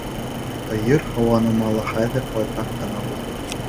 Һыйыр һауғаныма ла хәҙер байтаҡ ҡына була.